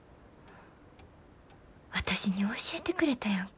私に教えてくれたやんか。